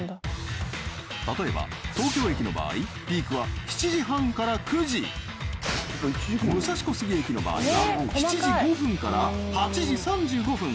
例えば東京駅の場合ピークは７時半から９時武蔵小杉駅の場合は７時５分から８時３５分